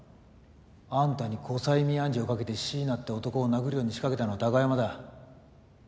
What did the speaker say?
あんたに後催眠暗示をかけて椎名って男を殴るように仕掛けたのは貴山だ。